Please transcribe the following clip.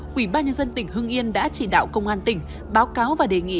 quỹ ba nhân dân tỉnh hưng yên đã chỉ đạo công an tỉnh báo cáo và đề nghị